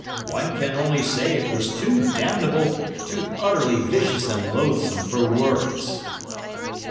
"One can only say it was too damnable, too utterly vicious and loathsome for words."